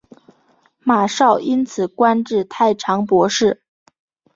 马韶因此官至太常博士。